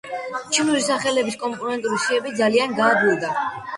ჩინური სახელების კომპონენტური სიები ძალიან გაადვილდა.